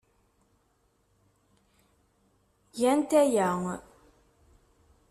Gant aya.